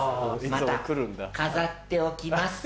また飾っておきます。